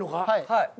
はい。